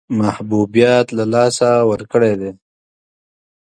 محبوبیت له لاسه ورکړی دی.